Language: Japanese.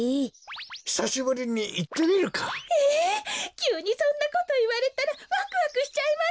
きゅうにそんなこといわれたらワクワクしちゃいますよ。